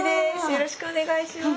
よろしくお願いします。